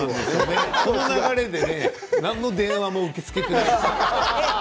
この流れで何の電話も受け付けていないんです。